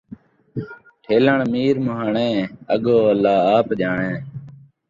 ٹھیلݨ میر موہاݨے، اڳوں اللہ آپ ڄاݨے